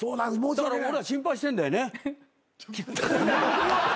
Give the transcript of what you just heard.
だから俺ら心配してんだよね？